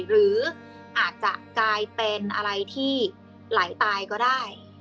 หรืออาจจะกลายเป็นอะไรที่ไหลตายก็ได้